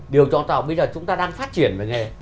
điều trọng là bây giờ chúng ta đang phát triển về nghề